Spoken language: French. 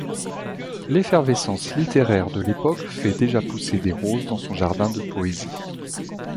L'effervescence littéraire de l'époque fait déjà pousser des roses dans son jardin de poésies.